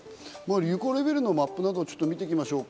流行レベルのマップなどを見ておきましょうか。